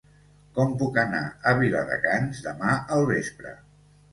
Com puc anar a Viladecans demà al vespre?